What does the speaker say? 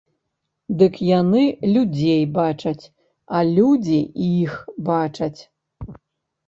Дык яны людзей бачаць, а людзі іх бачаць.